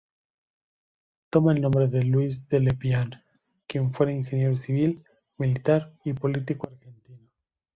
Toma el nombre de Luis Dellepiane, quien fuera ingeniero civil, militar y político argentino.